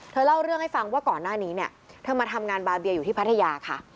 เธอเล่าเรื่องให้ฟังว่าก่อนหน้านี้เธอมาทำงานบาร์เบียอยู่ที่พัทยา